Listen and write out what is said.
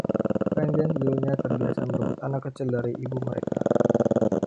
Vengeance dulunya terbiasa merebut anak kecil dari ibu mereka.